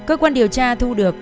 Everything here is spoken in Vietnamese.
cơ quan điều tra thu được